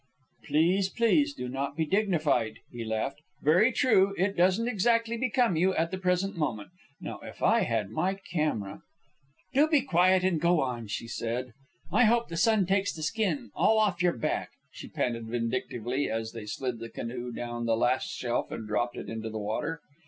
"Please, please do not be dignified," he laughed. "Very true, it doesn't exactly become you at the present moment. Now, if I had my camera " "Do be quiet and go on," she said. "Tommy is waiting. I hope the sun takes the skin all off your back," she panted vindictively, as they slid the canoe down the last shelf and dropped it into the water.